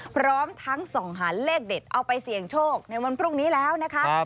พร้อมทั้งส่องหาเลขเด็ดเอาไปเสี่ยงโชคในวันพรุ่งนี้แล้วนะคะ